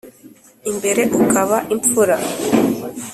Imbere ukaba impfura